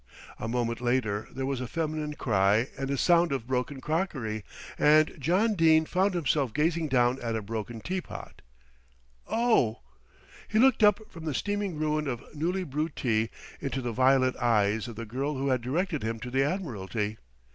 A moment later there was a feminine cry and a sound of broken crockery, and John Dene found himself gazing down at a broken teapot. "Oh!" He looked up from the steaming ruin of newly brewed tea into the violet eyes of the girl who had directed him to the Admiralty.